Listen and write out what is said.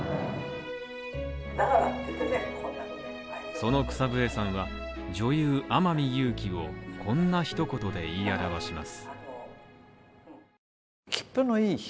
その草笛さんは女優天海祐希をこんな一言で言い表します。